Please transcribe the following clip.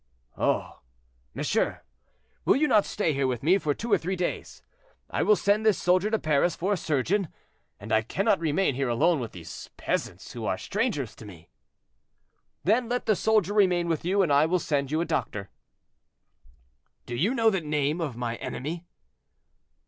"Oh! monsieur, will you not stay here with me for two or three days? I will send this soldier to Paris for a surgeon, and I cannot remain here alone with these peasants, who are strangers to me." "Then let the soldier remain with you, and I will send you a doctor." "Do you know the name of my enemy?"